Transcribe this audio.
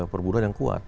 perburuan yang kuat